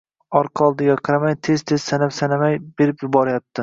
orqa-oldiga qaramay, tez-tez sanab-sanamay berib yuboryapti.